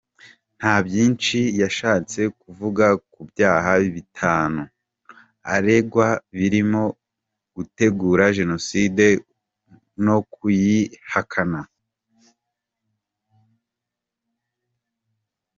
Nta byinshi yashatse kuvuga ku byaha bitanu aregwa birimo gutegura jenoside no kuyihakana.